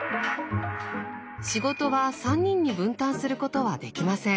仕事は３人に分担することはできません。